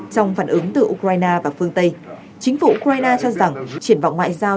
trong phản ứng từ ukraine và phương tây chính phủ ukraine cho rằng triển vọng ngoại giao